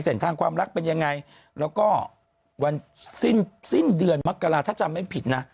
เส้นทางความรักเป็นยังไงแล้วก็วันสิ้นสิ้นเดือนมกราถ้าจำไม่ผิดนะ